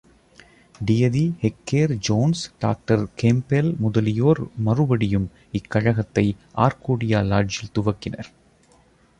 டியதி, Hacker, Jones, doctor Campbell முதலியோர் மறுபடியும் இக் கழகத்தை, ஆர்கோடியா லாட்ஜில் துவக்கினர்.